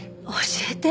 教えて。